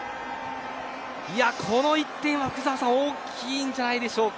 この１点は、福澤さん大きいんじゃないでしょうか。